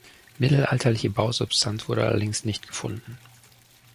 Mittelalterliche Bausubstanz wurde allerdings nicht gefunden.